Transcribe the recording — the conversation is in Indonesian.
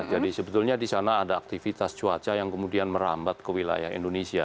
jadi sebetulnya di sana ada aktivitas cuaca yang kemudian merambat ke wilayah indonesia